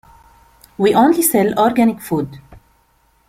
We only sell organic food.